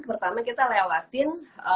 pertama kita lewatin